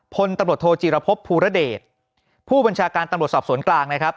พลตำรวจโทจีรพบภูระเดชผู้บัญชาการตำรวจสอบสวนกลางนะครับ